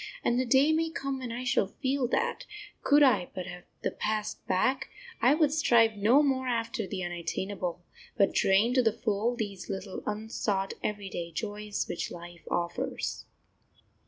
And the day may come when I shall feel that, could I but have the past back, I would strive no more after the unattainable, but drain to the full these little, unsought, everyday joys which life offers.